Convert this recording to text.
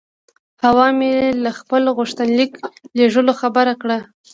حوا مې له خپل غوښتنلیک لېږلو خبره کړه.